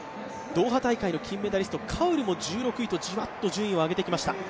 ドーハ大会の金メダリスト、カウルもじわっと順位を上げてきました。